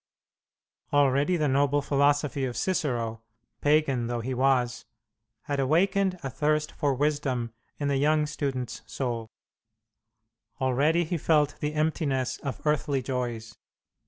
Already the noble philosophy of Cicero pagan though he was had awakened a thirst for wisdom in the young student's soul; already he felt the emptiness of earthly joys.